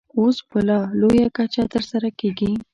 اوس په لا لویه کچه ترسره کېږي.